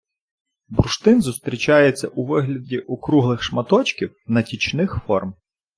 Бурштин зустрічається у вигляді округлих шматочків, натічних форм